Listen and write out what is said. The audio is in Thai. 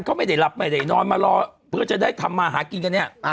เขาไม่ได้หลับไม่ได้นอนมารอเพื่อจะได้ทำมาหากินกันเนี่ย